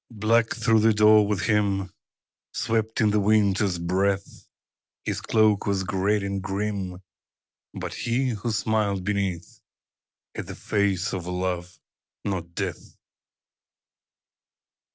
_ Black through the door with him Swept in the Winter's breath; His cloak was great and grim But he, who smiled beneath, Had the face of Love not Death.